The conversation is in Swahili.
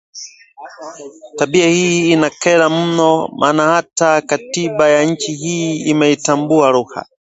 Tabia hii inakera mno maana hata katiba ya nchi hii imeitambua lugha